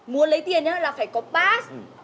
muốn lấy tiền nhá là phải có pass